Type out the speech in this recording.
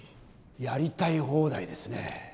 やりたい放題ですね。